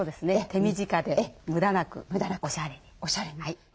手短で無駄なくおしゃれに。